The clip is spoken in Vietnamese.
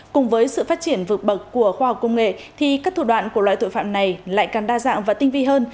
cùng với sự phát triển vượt bậc của khoa học công nghệ thì các thủ đoạn của loại tội phạm này lại càng đa dạng và tinh vi hơn